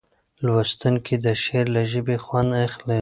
لوستونکی د شعر له ژبې خوند اخلي.